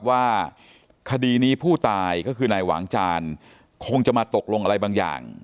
ว่าคดีนี้ผู้ตายก็คือนายหวางจานคงจะมาตกลงอะไรบางอย่าง